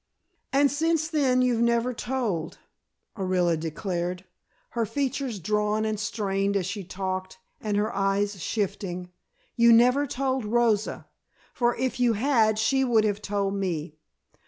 "And since then you've never told," Orilla declared, her features drawn and strained as she talked, and her eyes shifting. "You never told Rosa, for if you had she would have told me.